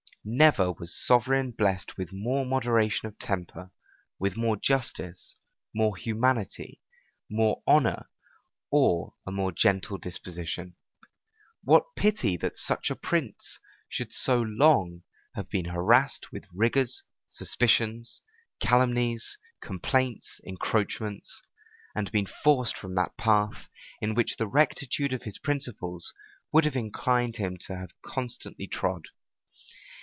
Never was sovereign blessed with more moderation of temper, with more justice, more humanity, more honor, or a more gentle disposition. What pity that such a prince should so long have been harassed with rigors, suspicions, calumnies, complaints, encroachments; and been forced from that path, in which the rectitude of his principles would have inclined him to have constantly trod!